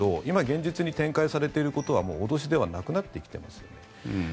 今現実に展開されていることは脅しではなくなってきています。